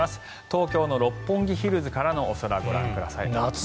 東京の六本木ヒルズからのお空ご覧ください。